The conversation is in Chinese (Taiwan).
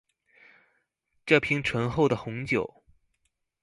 這瓶醇厚的紅酒